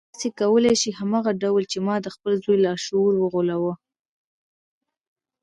تاسې کولای شئ هماغه ډول چې ما د خپل زوی لاشعور وغولاوه.